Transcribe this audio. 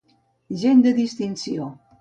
Gent de distinció.